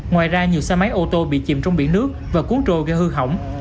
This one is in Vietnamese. ngoài ra nhiều xe máy ô tô bị chìm trong biển nước và cuốn trôi gây hư hỏng